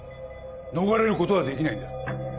逃れる事はできないんだ。